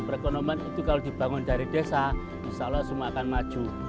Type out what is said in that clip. perekonomian itu kalau dibangun dari desa insya allah semua akan maju